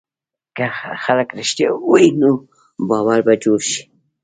که خلک رښتیا ووایي، نو باور به جوړ شي.